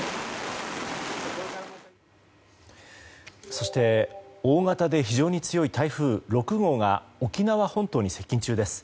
そして大型で非常に強い台風６号が沖縄本島に接近中です。